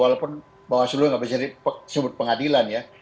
walaupun bawaslu nggak bisa disebut pengadilan ya